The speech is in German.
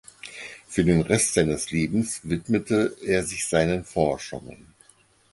Für den Rest seines Lebens widmete er sich seinen Forschungen.